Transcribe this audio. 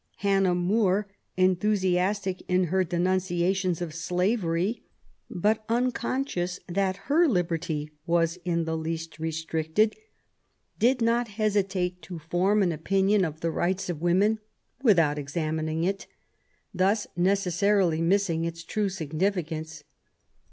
Hannah More, enthusiastic in her denunciations of slavery, but unconscious that her liberty was in the least restricted, did not hesitate to form an opinion of VISIT TO PABI8. 103 the Rights of Women without examining it, thus neces sarily missing its true significance.